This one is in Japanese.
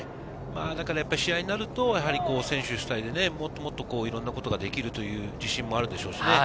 試合になると選手主体でもっといろんなことができるという自信もあるでしょうしね。